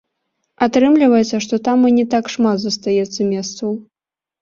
Атрымліваецца, што там і не так шмат застаецца месцаў.